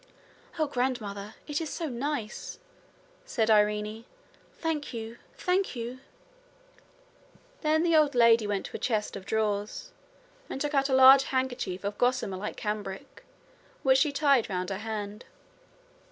'Oh, grandmother! it is so nice!' said Irene. 'Thank you; thank you.' Then the old lady went to a chest of drawers, and took out a large handkerchief of gossamer like cambric, which she tied round her hand.